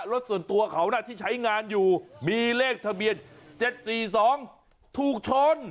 รถส่วนตัวเขาที่ใช้งานอยู่มีเลขทะเบียน๗๔๒ถูกชน